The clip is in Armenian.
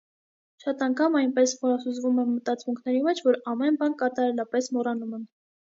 Շատ անգամ այնպես խորասուզվում եմ մտածմունքների մեջ, որ ամեն բան կատարելապես մոռանում եմ: